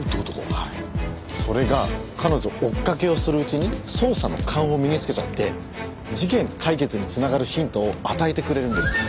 それが彼女追っかけをするうちに捜査の勘を身につけちゃって事件解決に繋がるヒントを与えてくれるんです。